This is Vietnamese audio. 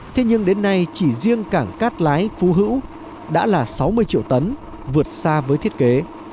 thế nhưng đến nay chỉ riêng cảng cát lái phú hữu đã là sáu mươi triệu tấn vượt xa với thiết kế